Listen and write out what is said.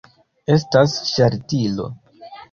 Estas ŝaltilo.